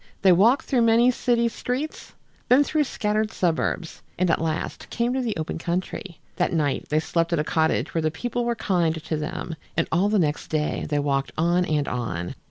They walked through many city streets, then through more scattered suburbs, and at last came to the open country. That night they slept at a cottage where the people were kind to them, and all the next day they walked on and on.